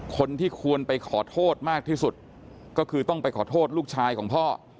คนที่ควรไปขอโทษมากที่สุดก็คือต้องไปขอโทษลูกชายของพ่อ